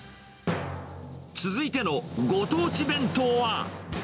続いてのご当地弁当は。